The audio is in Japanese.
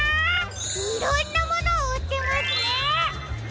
いろんなものをうってますね！